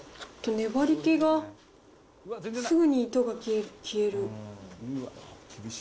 粘り気が、すぐに糸が消える。